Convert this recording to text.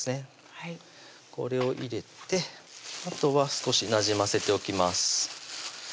はいこれを入れてあとは少しなじませておきます